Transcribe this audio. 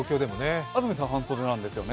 安住さん半袖なんですよね。